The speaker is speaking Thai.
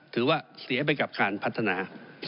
ถือว่าเสียไปกับการพัฒนา